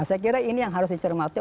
saya kira ini yang harus dicermati